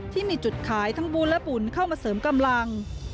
ที่มีจุดขายทั้งบุญและปุ่นเข้ามาเสริมกำลัง